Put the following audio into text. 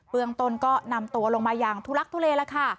เมืองต้นก็นำตัวลงมาอย่างทุลักทุเลแล้วค่ะ